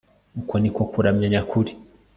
uku ni ko kuramya nyakuri